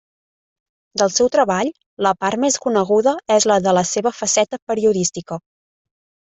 Del seu treball, la part més coneguda és la de la seva faceta periodística.